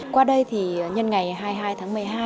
qua đây thì nhân ngày hai mươi hai tháng một mươi hai